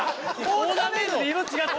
オーダーメイドで色違って。